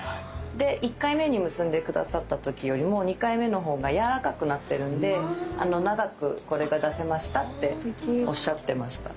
で１回目に結んで下さった時よりも２回目のほうが柔らかくなってるんで長くこれが出せましたっておっしゃってました。